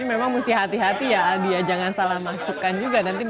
ini memang musti hati hati ya dia jangan salah masukkan juga nanti